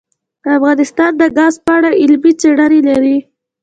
افغانستان د ګاز په اړه علمي څېړنې لري.